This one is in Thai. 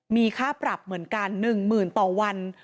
มีค่าปรับเหมือนกัน๑หมื่นต่อวัน